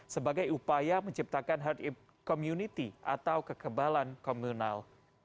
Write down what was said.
sebagai upaya menciptakan herd immunity atau kekebalan komunal